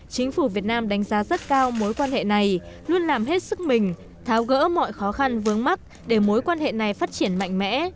chính phủ việt nam đánh giá rất cao mối quan hệ này luôn làm hết sức mình tháo gỡ mọi khó khăn vướng mắt để mối quan hệ này phát triển mạnh mẽ